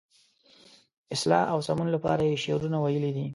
اصلاح او سمون لپاره یې شعرونه ویلي دي.